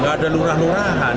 nggak ada lurah lurahan